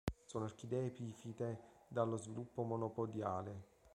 Sono orchidee epifite dallo sviluppo monopodiale.